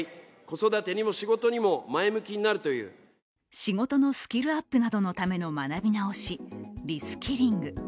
仕事のスキルアップのための学び直し＝リスキリング。